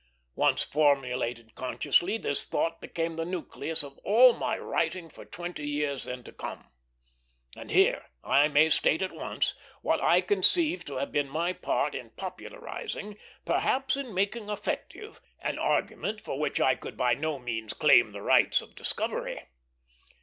Once formulated consciously, this thought became the nucleus of all my writing for twenty years then to come; and here I may state at once what I conceive to have been my part in popularizing, perhaps in making effective, an argument for which I could by no means claim the rights of discovery.